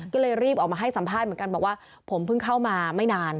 ก็เลยรีบออกมาให้สัมภาษณ์เหมือนกันบอกว่าผมเพิ่งเข้ามาไม่นาน